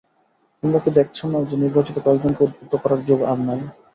তোমরা কি দেখছ না যে, নির্বাচিত কয়েকজনকে উদ্বুদ্ধ করার যুগ আর নেই।